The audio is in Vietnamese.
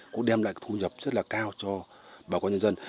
cũng đem lại thu nhập rất là cao cho bà con nhân dân